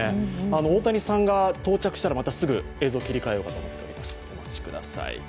大谷さんが到着したらまたすぐ映像を切り替えようと思います。